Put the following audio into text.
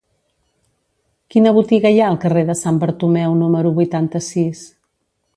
Quina botiga hi ha al carrer de Sant Bartomeu número vuitanta-sis?